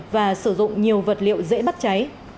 và sử dụng nhiều vật liệu dễ bắt cháy